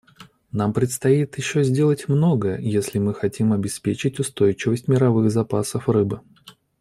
Нам предстоит еще сделать многое, если мы хотим обеспечить устойчивость мировых запасов рыбы.